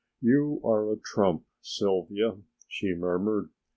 "You are a trump, Sylvia," she murmured.